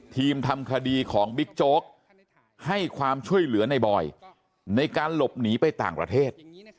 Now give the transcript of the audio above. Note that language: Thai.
ทำคดีของบิ๊กโจ๊กให้ความช่วยเหลือในบอยในการหลบหนีไปต่างประเทศ